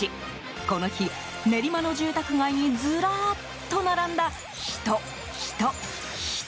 この日、練馬の住宅街にずらーっと並んだ人、人、人。